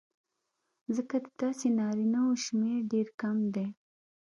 ځکه د داسې نارینهوو شمېر ډېر کم دی